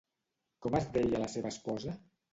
Com es deia la seva esposa?